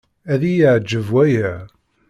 Ad iyi-εǧeb waya.